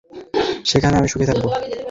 যেখানে আমি সুখী থাকব।